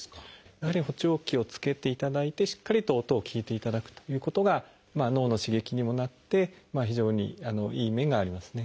やはり補聴器を着けていただいてしっかりと音を聞いていただくということが脳の刺激にもなって非常にいい面がありますね。